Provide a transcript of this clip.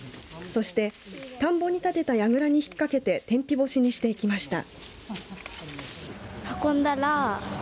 そして、田んぼに立てたやぐらに引っかけて天日干しにしていきました。